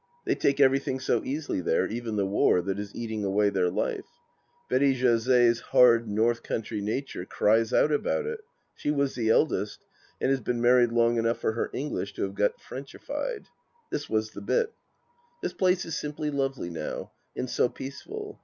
They take everything so easily there, even the war, that is eating away their life. Betty Jauze's hard North country nature cries out about it. She was the eldest, and has been married long enough for her English to have got Frenchified. This was the bit :" This place is simply lovely now, and so peaceful.